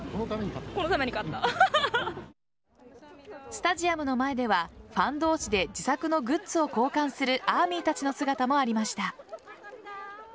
スタジアムの前ではファン同士で自作のグッズを交換するＡＲＭＹたちの姿もありました。